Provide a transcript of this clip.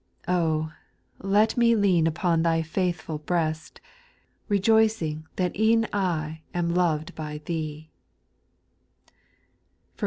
Oh 1 let me lean upon Thy faithful breast, Rejoicing that e'en I am loved by Thee.